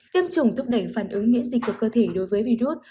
tiêm chủng thúc đẩy phản ứng miễn dịch của cơ thể đối với virus